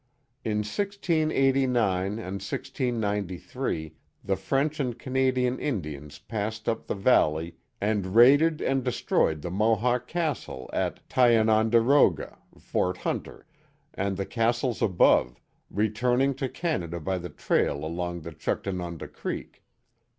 i^ The Famous Butler Mansion 185 In 1689 and 1693 the French and Canadian Indians passed up the valley and raided and destroyed the Mohawk castle at Tiononderoga (Fort Hunter) and the castles above, returning to Canada by the trail along the Juchtanunda Creek.